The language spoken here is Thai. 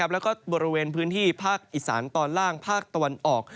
แล้วก็บริเวณพื้นที่ภาคอีสานตอนล่างภาคตะวันออก